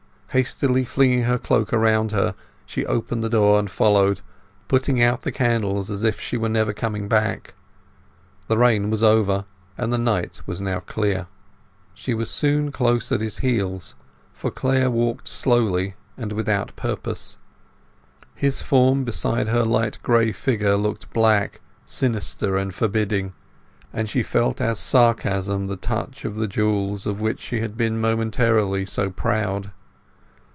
Hastily flinging her cloak around her she opened the door and followed, putting out the candles as if she were never coming back. The rain was over and the night was now clear. She was soon close at his heels, for Clare walked slowly and without purpose. His form beside her light gray figure looked black, sinister, and forbidding, and she felt as sarcasm the touch of the jewels of which she had been momentarily so proud.